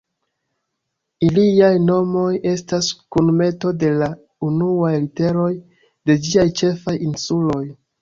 Iliaj nomoj estas kunmeto de la unuaj literoj de ĝiaj ĉefaj insuloj.